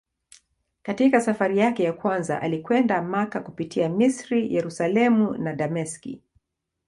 Katika safari yake ya kwanza alikwenda Makka kupitia Misri, Yerusalemu na Dameski.